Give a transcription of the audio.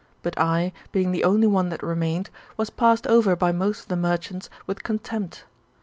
But I, being the only one that remained, was passed over by most of the merchants with contempt.